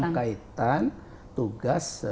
dalam kaitan tugas pengawasan